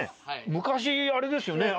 昔あれですよね。